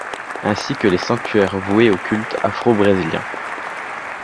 Ainsi que les sanctuaires voués aux cultes afro-brésiliens.